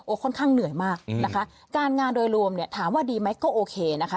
ค่อนข้างเหนื่อยมากนะคะการงานโดยรวมเนี่ยถามว่าดีไหมก็โอเคนะคะ